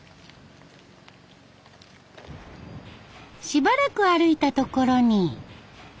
しばらく歩いたところに。